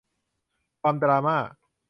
ความดราม่า